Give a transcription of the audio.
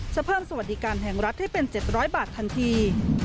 เพิ่มสวัสดิการแห่งรัฐให้เป็น๗๐๐บาททันที